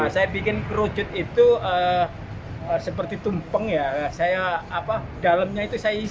saya bikin kerucut itu seperti tumpeng ya saya dalamnya itu saya isi